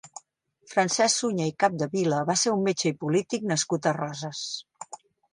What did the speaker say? Francesc Sunyer i Capdevila va ser un metge i polític nascut a Roses.